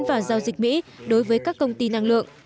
và giao dịch mỹ đối với các công ty năng lượng